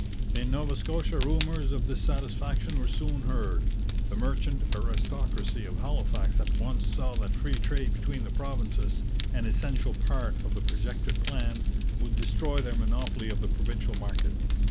In Nova Scotia rumours of dissatisfaction were soon heard. The merchant aristocracy of Halifax at once saw that free trade between the provinces, an essential part of the projected plan, would destroy their monopoly of the provincial market.